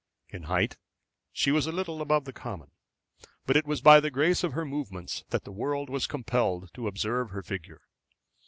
In height she was a little above the common, but it was by the grace of her movements that the world was compelled to observe her figure.